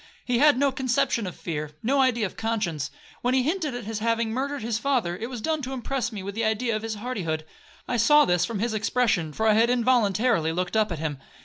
He had no conception of fear,—no idea of conscience. When he hinted at his having murdered his father, it was done to impress me with an idea of his hardihood. I saw this from his expression, for I had involuntarily looked up at him.